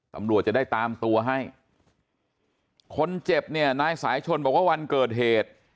ตำรวจจะได้ตามตัวให้คนเจ็บเนี่ยนายสายชนบอกว่าวันเกิดเหตุ